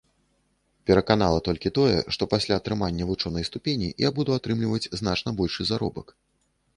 Пераканала толькі тое, што пасля атрымання вучонай ступені я буду атрымліваць значна большы заробак.